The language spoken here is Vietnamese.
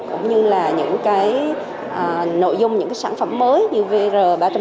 cũng như là những cái nội dung những cái sản phẩm mới như vr ba trăm sáu mươi